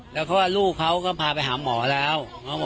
แล้วก็ลูกเขาก็พาไปหาหมอแล้ว